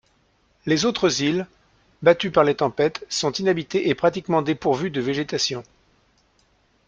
Les autres îles, battues par les tempêtes, sont inhabitées et pratiquement dépourvues de végétation.